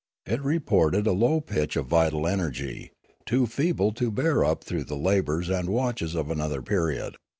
It reported a low pitch of vital energy, too feeble to bear up through the labours and watches of another period.